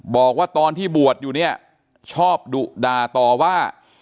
บอกว่าตอนที่บวชอยู่เนี่ยชอบดุด่าต่อว่า